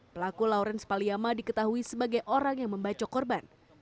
pelaku lawrence paliama diketahui sebagai orang yang membacok korban